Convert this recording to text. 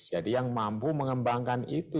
jadi yang mampu mengembangkan itu